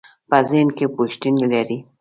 په ذهن کې پوښتنې لرئ؟